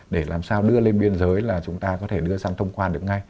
để làm sao đưa lên biên giới là chúng ta có thể đưa sang thông quan được ngay